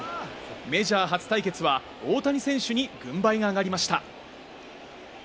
メジャー初対決は大谷選手に軍配が上がりました。